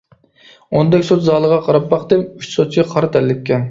ئوندەك سوت زالىغا قاراپ باقتىم، ئۈچ سوتچى قارا تەنلىككەن.